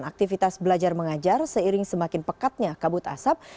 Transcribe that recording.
aktivitas belajar mengajar seiring semakin pekatnya kabut asap